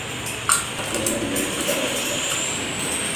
Atlarına binerek uzaklaştılar.